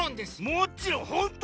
「もちろん」ホント？